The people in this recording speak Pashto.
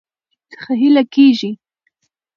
څخه هيله کيږي